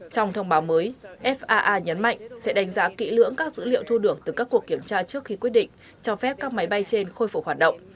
trong thông báo mới faa nhấn mạnh sẽ đánh giá kỹ lưỡng các dữ liệu thu được từ các cuộc kiểm tra trước khi quyết định cho phép các máy bay trên khôi phục hoạt động